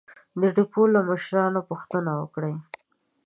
د ډېپو له مشره پوښتنه وکړئ!